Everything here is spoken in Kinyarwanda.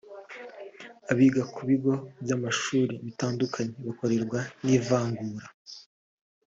Abiga ku bigo by’amashuri bitandukanye bakorerwa n’ivangura